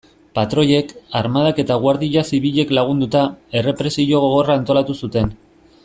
Patroiek, armadak eta Guardia Zibilek lagunduta, errepresio gogorra antolatu zuten.